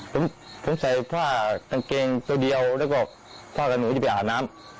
ผมใส่ผ้ากางเกงตัวเดียวแล้วก็ผ้ากับหนูจะไปหาน้ำ